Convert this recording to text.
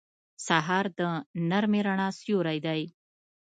سهار د نرمې رڼا سیوری دی.